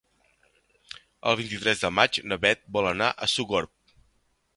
El vint-i-tres de maig na Beth vol anar a Sogorb.